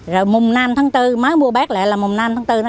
đã lắp đặt hệ thống dây điện nối với cổng trào